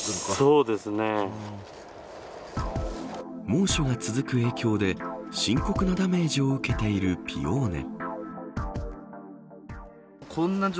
猛暑が続く影響で深刻なダメージを受けているピオーネ。